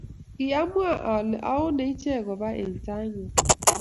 Ki amwa ale ma oone icheek koba eng' taing'wong'.